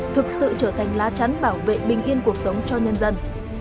thực sự trở thành lá chắn bảo vệ bình yên cuộc sống cho nhân dân